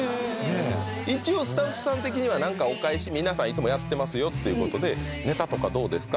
一応スタッフさん的には何かお返し皆さんいつもやってますよっていうことでネタとかどうですか？